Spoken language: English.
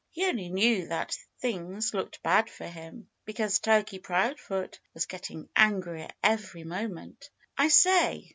He only knew that things looked bad for him because Turkey Proudfoot was getting angrier every moment. "I say!"